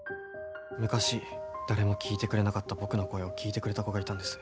昔誰も聞いてくれなかった僕の声を聞いてくれた子がいたんです。